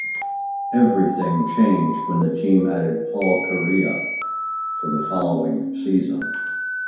Everything changed when the team added Paul Kariya for the following season.